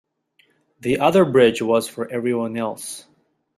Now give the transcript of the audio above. The other bridge was for everyone else.